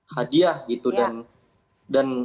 hadiah gitu dan